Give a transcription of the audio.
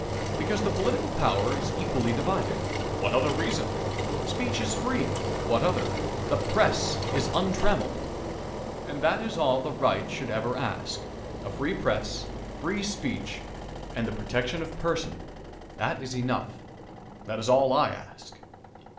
Because the political power is equally divided. What other reason? Speech is free. What other? The press is untrammeled. And that is all that the right should ever ask a free press, free speech, and the protection of person. That is enough. That is all I ask.